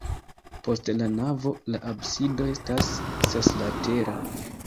Post la navo la absido estas seslatera.